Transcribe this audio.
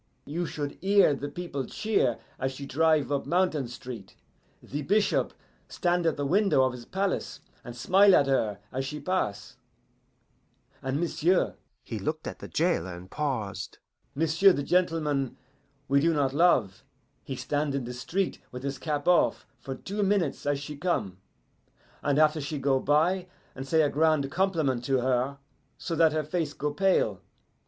"You should hear the people cheer as she drive up Mountain Street. The bishop stand at the window of his palace and smile at her as she pass, and m'sieu'" he looked at the jailer and paused "m'sieu' the gentleman we do not love, he stand in the street with his cap off for two minutes as she come, and after she go by, and say a grand compliment to her, so that her face go pale.